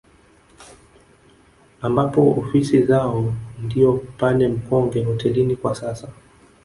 Ambapo ofisi zao ndio pale Mkonge hotelini kwa sasa